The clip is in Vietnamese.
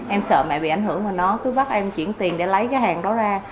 em sợ mẹ bị ảnh hưởng mà nó cứ bắt em chuyển tiền để lấy cái hàng đó ra